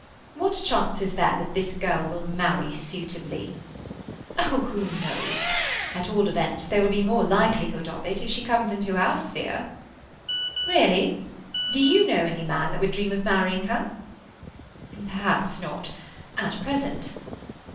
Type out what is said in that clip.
"What chance is there that this girl will marry suitably?" "Oh, who knows? At all events, there will be more likelihood of it if she comes into our sphere." "Really? Do you know any man that would dream of marrying her?" "Perhaps not, at present."